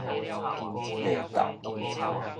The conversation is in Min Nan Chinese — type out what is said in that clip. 袂鬥